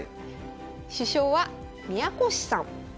主将は宮越さん。